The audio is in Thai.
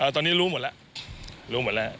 ตอนนี้รู้หมดแล้ว